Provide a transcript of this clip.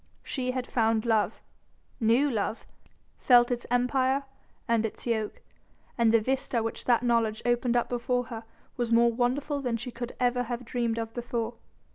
She had found love, knew love, felt its empire and its yoke, and the vista which that knowledge opened up before her was more wonderful than she could ever have dreamed of before.